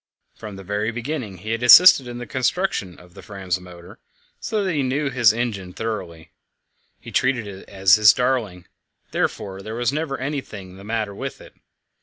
From the very beginning he had assisted in the construction of the Fram's motor, so that he knew his engine thoroughly. He treated it as his darling; therefore there was never anything the matter with it.